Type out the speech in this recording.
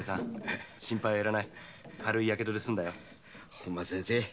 本間先生